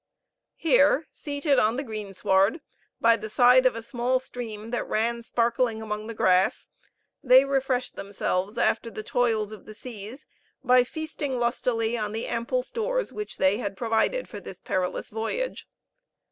Here, seated on the greensward, by the side of a small stream that ran sparkling among the grass, they refreshed themselves after the toils of the seas by feasting lustily on the ample stores which they had provided for this perilous voyage.